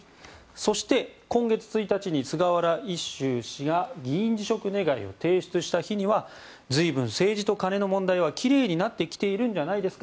そして、今月１日に菅原一秀氏が議員辞職願を提出した日には随分、政治と金の問題は奇麗になってきているんじゃないですか